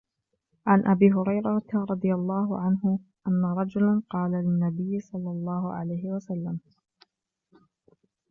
عنْ أبي هُريرةَ رَضِي اللهُ عَنْهُ، أنَّ رَجُلاً قالَ للنَّبيِّ صَلَّى اللهُ عَلَيْهِ وَسَلَّمَ: